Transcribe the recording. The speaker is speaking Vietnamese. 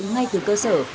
ngay từ cơ sở